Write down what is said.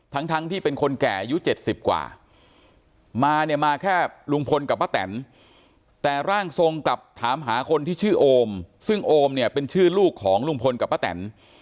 ทั้งที่เป็นคนแก่อายุ๗๐กว่ามาเนี่ยมาแค่ลุงพลกับป้าแตนแต่ร่างทรงกลับถามหาคนที่ชื่อโอมซึ่งโอมเนี่ยเป็นชื่อลูกของลุงพลกับป้าแตน